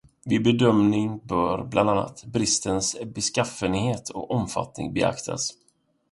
Vid bedömningen bör bland annat bristens beskaffenhet och omfattning beaktas.